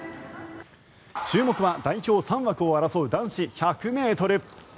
注目は代表３枠を争う男子１００ｍ。